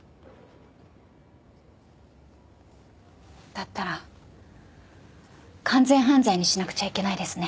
だったら完全犯罪にしなくちゃいけないですね。